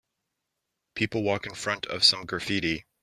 People walk in front of some graffiti.